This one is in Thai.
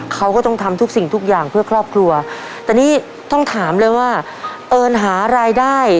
เขาก็ต้องทำทุกสิ่งทุกอย่างเพื่อครอบครัวแต่นี่ต้องถามเลยว่าเอิญหารายได้